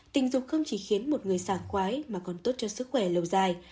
tình dục không chỉ khiến một người sảng khoái mà còn tốt cho sức khỏe lâu dài